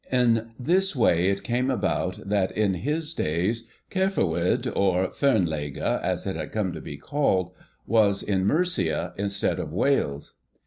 In this way it came about that in his days Cærffawydd, or 'Fernlege,' as it had come to be called, was in Mercia instead of Wales.